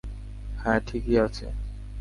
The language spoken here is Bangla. হ্যাঁঁ, ঠিকই আছে।